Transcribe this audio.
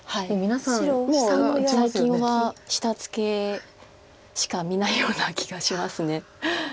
もう最近は下ツケしか見ないような気がします。